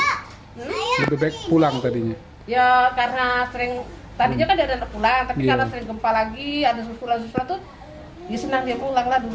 kalau sesuatu ya senang dia pulang lah dulu